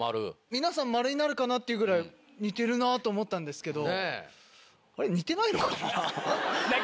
皆さん「○」になるかなってぐらい似てるなって思ったんですけど。